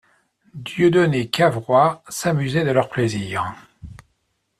Dieudonné Cavrois s'amusait de leurs plaisirs.